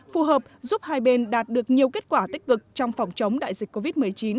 phù hợp giúp hai bên đạt được nhiều kết quả tích cực trong phòng chống đại dịch covid một mươi chín